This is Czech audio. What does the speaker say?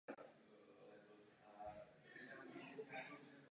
Vytrvalé kališní lístky jsou podlouhle vejčité.